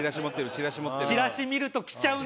チラシ見ると来ちゃうのよね。